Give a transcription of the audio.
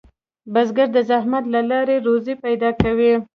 بزګر د زحمت له لارې روزي پیدا کوي